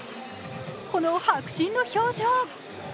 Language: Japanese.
この迫真の表情。